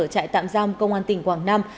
chạy tạm giam công an tỉnh quảng nam